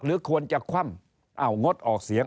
หรือควรจะคว่ำเอ้างดออกเสียง